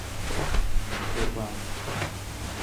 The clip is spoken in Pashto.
توپان